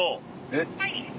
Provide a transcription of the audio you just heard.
えっ。